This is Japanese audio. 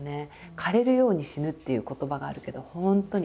「枯れるように死ぬ」っていう言葉があるけど本当に。